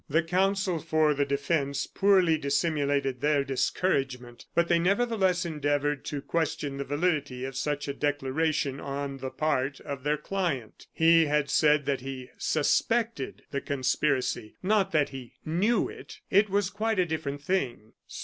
The counsel for the defence poorly dissimulated their discouragement; but they nevertheless endeavored to question the validity of such a declaration on the part of their client. He had said that he suspected the conspiracy, not that he knew it. It was quite a different thing.